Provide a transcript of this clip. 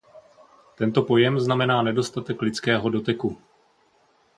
Tento pojem znamená nedostatek lidského doteku.